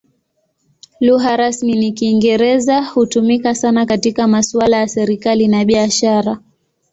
Lugha rasmi ni Kiingereza; hutumika sana katika masuala ya serikali na biashara.